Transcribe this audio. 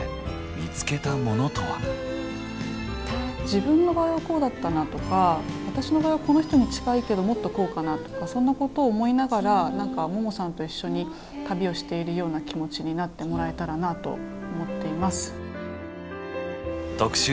自分の場合はこうだったなとか私の場合はこの人に近いけどもっとこうかなとかそんなことを思いながら何かももさんと一緒に旅をしているような気持ちになってもらえたらなと思っています。